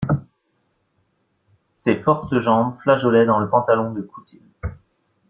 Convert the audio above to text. Ses fortes jambes flageolaient dans le pantalon de coutil.